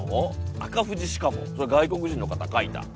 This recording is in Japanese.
紅富士しかもそれ外国人の方描いた？